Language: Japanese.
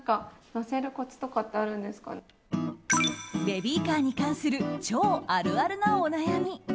ベビーカーに関する超あるあるな、お悩み。